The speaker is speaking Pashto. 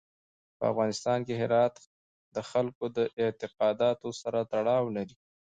په افغانستان کې هرات د خلکو د اعتقاداتو سره تړاو لري.